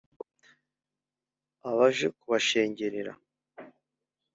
Abaje kubashengerera